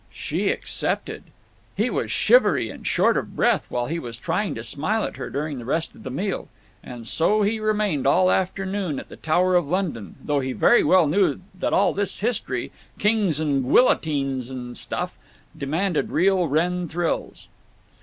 She accepted. He was shivery and short of breath while he was trying to smile at her during the rest of the meal, and so he remained all afternoon at the Tower of London, though he very well knew that all this history—"kings and gwillotines and stuff"—demanded real Wrenn thrills.